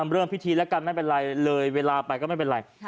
เริ่มพิธีแล้วกันไม่เป็นไรเลยเวลาไปก็ไม่เป็นไร